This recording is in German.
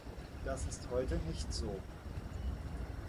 Das ist heute nicht so.